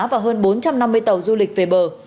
và hơn bốn trăm năm mươi tàu du lịch về bờ